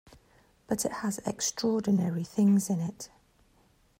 But it has extraordinary things in it.